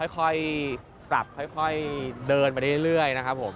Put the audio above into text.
ค่อยปรับค่อยเดินไปเรื่อยนะครับผม